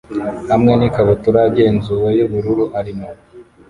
hamwe n ikabutura yagenzuwe yubururu arimo